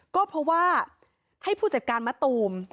ก็เพราะว่าให้ผู้จัดการมะตูม